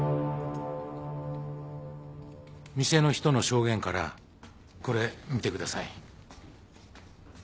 店の人の証言からこれ見てください。